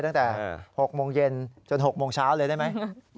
ตั้งแต่๖โมงเย็นจน๖โมงเช้าเลยได้ไหม